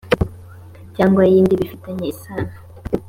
cyangwa y indi bifitanye isano